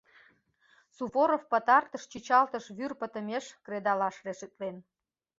Суворов пытартыш чӱчалтыш вӱр пытымеш кредалаш решитлен.